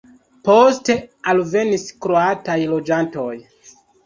Poste alvenis kroataj loĝantoj.